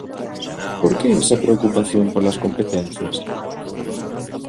Por que esa preocupación polas competencias?